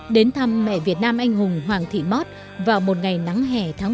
đến thăm mẹ việt nam anh hùng hoàng thị mót vào một ngày nắng hè tháng bảy